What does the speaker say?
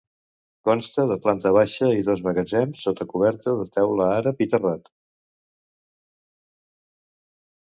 Consta de planta baixa i dos magatzems sota coberta de teula àrab i terrat.